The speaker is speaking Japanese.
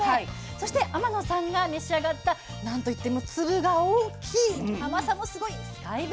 そして天野さんが召し上がった何と言っても粒が大きい甘さもすごいスカイベリー。